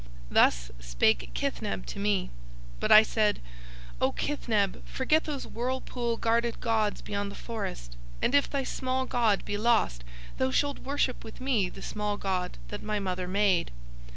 '" "Thus spake Kithneb to me. "But I said: "'O Kithneb, forget those whirlpool guarded gods beyond the forest, and if thy small god be lost thou shalt worship with me the small god that my mother made.